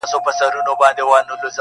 خو هېڅ څوک د هغې غږ ته نه درېږي,